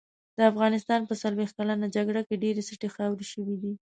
د افغانستان په څلوښت کلنه جګړه کې ډېرې سټې خاورې شوې دي.